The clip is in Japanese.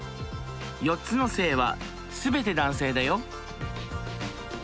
４つの性は全て男性だよ。